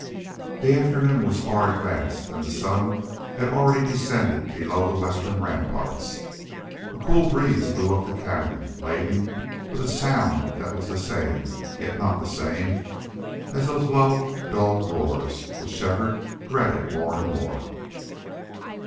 The afternoon was far advanced and the sun had already descended below the western ramparts. A cool breeze blew up the cañon, laden with a sound that was the same, yet not the same, as those low, dull roars which Shefford dreaded more and more.